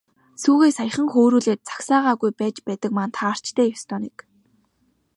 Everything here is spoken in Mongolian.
Сүүгээ саяхан хөөрүүлээд загсаагаагүй байж байдаг маань таарч дээ, ёстой нэг.